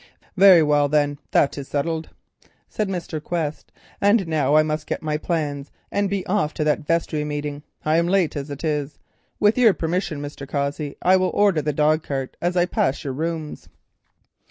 "Very well then, that is settled," said Mr. Quest, "and now I must get my plans and be off to the vestry meeting. I'm late as it is. With your permission, Mr. Cossey, I will order the dogcart as I pass your rooms."